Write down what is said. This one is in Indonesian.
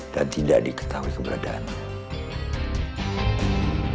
dan tidak diketahui keberadaannya